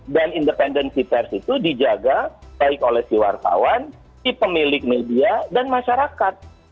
dan independensi pers itu dijaga baik oleh si wartawan si pemilik media dan masyarakat